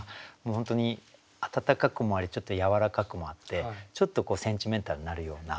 本当に温かくもありちょっとやわらかくもあってちょっとセンチメンタルになるような。